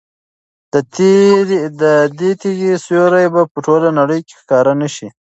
د دې تیږې سیوری به په ټوله نړۍ کې ښکاره نه شي.